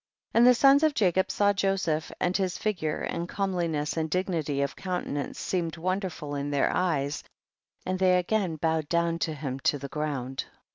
19. And the sons of Jacob saw Joseph, and his figure and comeliness and dignity of countenance seemed wonderful in their eyes, and thev again bowed down to him to the ground.